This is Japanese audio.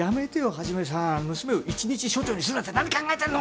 一さん娘を１日署長にするなんて何考えてんの。